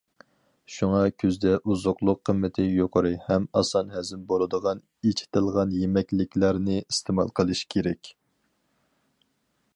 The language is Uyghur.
شۇڭا، كۈزدە ئوزۇقلۇق قىممىتى يۇقىرى ھەم ئاسان ھەزىم بولىدىغان ئېچىتىلغان يېمەكلىكلەرنى ئىستېمال قىلىش كېرەك.